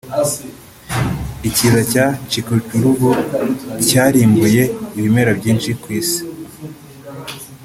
Ikiza cya Chicxulub cyarimbuye ibimera byinshi ku isi